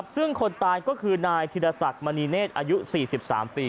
ซึ่งคนตายก็คือนายธิรศักดิ์มณีเนธอายุ๔๓ปี